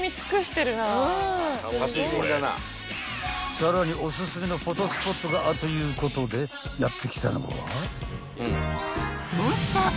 ［さらにおすすめのフォトスポットがあるということでやって来たのは］